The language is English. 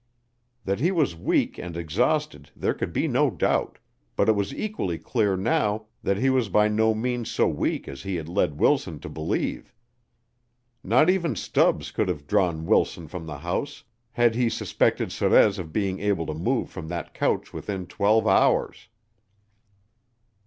That he was weak and exhausted there could be no doubt; but it was equally clear now that he was by no means so weak as he had led Wilson to believe. Not even Stubbs could have drawn Wilson from the house, had he suspected Sorez of being able to move from that couch within twelve hours.